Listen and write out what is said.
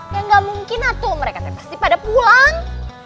ya nggak mungkin atu mereka pasti pada pulang